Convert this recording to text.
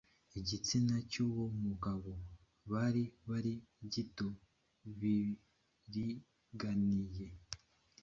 igitsina cy’uwo mugabo aba ari gito biringaniye.